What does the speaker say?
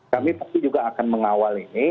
kami pasti juga akan mengawal ini